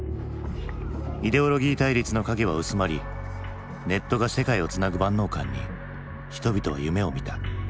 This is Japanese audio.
イデオロギー対立の影は薄まりネットが世界をつなぐ万能感に人々は夢をみた。